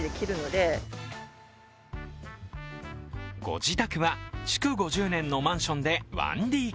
ご自宅は築５０年のマンションで１ＤＫ。